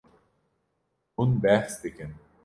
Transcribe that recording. Hûn behs dikin.